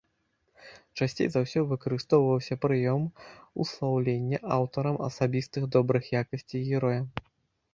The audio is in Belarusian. Часцей за ўсё выкарыстоўваўся прыём услаўлення аўтарам асабістых добрых якасцей героя.